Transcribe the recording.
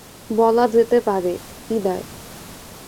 বলা যেতে পারে, বিদায়।